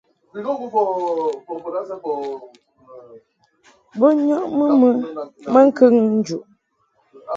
Bo nyɔʼmɨ mɨ maŋkəŋ njuʼ.